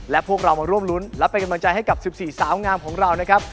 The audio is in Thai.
และพวกเรามาร่วมรุ้นและเป็นกำลังใจให้กับ๑๔สาวงามของเรานะครับ